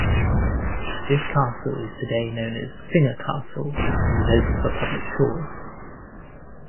This castle is today known as Singer Castle and is open for public tours.